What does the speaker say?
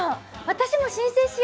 私も申請しよ！